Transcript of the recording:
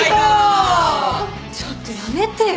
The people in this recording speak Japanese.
ちょっとやめてよ！